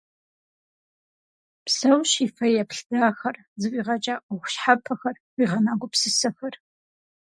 Псэущ и фэеплъ дахэр, зэфӏигъэкӏа ӏуэху щхьэпэхэр, къигъэна гупсысэхэр.